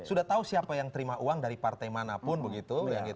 sudah tahu siapa yang terima uang dari partai manapun begitu